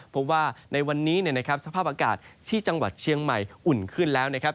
เพราะว่าในวันนี้นะครับสภาพอากาศที่จังหวัดเชียงใหม่อุ่นขึ้นแล้วนะครับ